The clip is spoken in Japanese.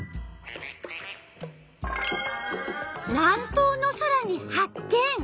南東の空に発見。